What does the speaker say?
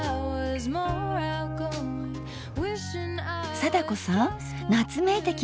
貞子さん夏めいてきました。